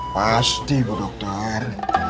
pasti pak dokter